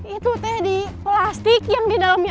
itu teh di plastik yang di dalamnya